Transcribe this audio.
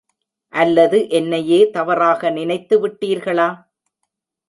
அல்லது என்னையே தவறாக நினைத்து விட்டீர்களா?